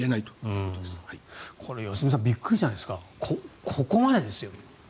これ、良純さんびっくりじゃないですかここまでですよ。